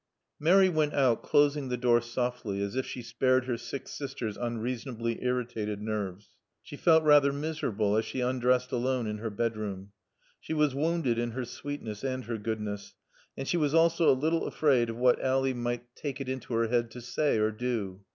Mary went out, closing the door softly, as if she spared her sick sister's unreasonably irritated nerves. She felt rather miserable as she undressed alone in her bedroom. She was wounded in her sweetness and her goodness, and she was also a little afraid of what Ally might take it into her head to say or do.